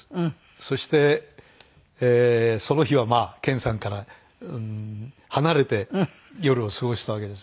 そしてその日はまあ健さんから離れて夜を過ごしたわけです。